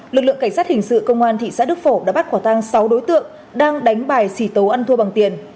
lực lượng cảnh sát hình sự công an thị xã đức phổ đã bắt khỏa tang sáu đối tượng đang đánh bài xỉ tố ăn thua bằng tiền